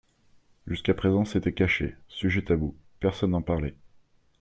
Jusqu’à présent, c’était caché, sujet tabou, personne n’en parlait.